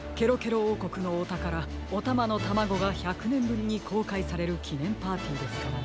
おうこくのおたからおたまのタマゴが１００ねんぶりにこうかいされるきねんパーティーですからね。